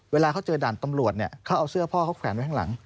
เวลาเขาเจอด่านตำรวจเนี่ยเขาเอาเสื้อพ่อเขาแขวนไว้ข้างหลัง